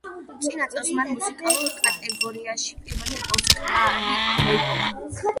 წინა წელს, მან, მუსიკალურ კატეგორიაში პირველი ოსკარი მოიპოვა.